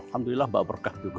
alhamdulillah bapak berkah juga